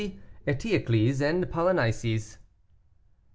ETEOCLES AND POLYNICES.